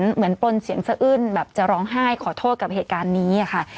ปลนเสียงสะอื้นแบบจะร้องไห้ขอโทษกับเหตุการณ์นี้ค่ะ